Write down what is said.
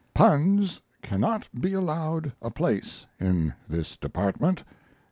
Puns cannot be allowed a place in this department....